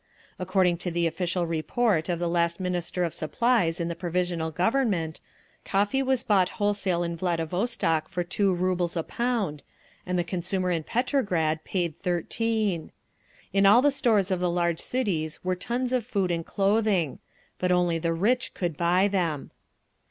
According to the official report of the last Minister of Supplies in the Provisional Government, coffee was bought wholesale in Vladivostok for two rubles a pound, and the consumer in Petrograd paid thirteen. In all the stores of the large cities were tons of food and clothing; but only the rich could buy them.